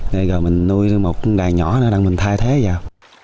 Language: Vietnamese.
rồi mình nuôi một đàn nhỏ nữa để mình thay thế vào